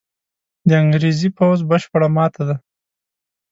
د انګرېزي پوځ بشپړه ماته ده.